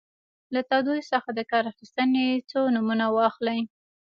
له تودوخې څخه د کار اخیستنې څو نومونه واخلئ.